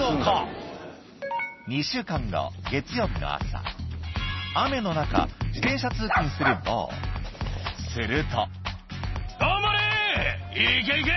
月曜日の朝雨の中自転車通勤するボーするといけいけ！